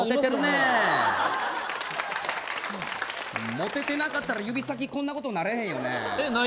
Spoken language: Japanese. モテてなかったら指先こんなことにならへんよね。